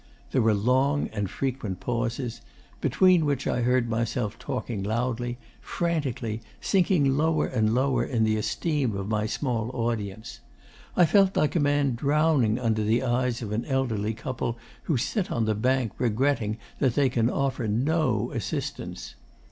There were long and frequent pauses between which I heard myself talking loudly, frantically, sinking lower and lower in the esteem of my small audience. I felt like a man drowning under the eyes of an elderly couple who sit on the bank regretting that they can offer NO assistance.